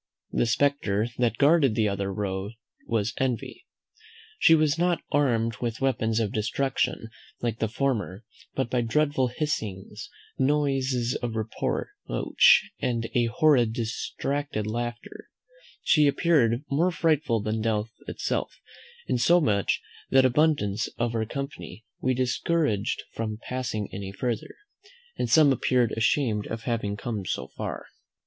The spectre that guarded the other road was Envy. She was not armed with weapons of destruction, like the former, but by dreadful hissings, noises of reproach, and a horrid distracted laughter; she appeared more frightful than Death itself, insomuch that abundance of our company were discouraged from passing any further, and some appeared ashamed of having come so far.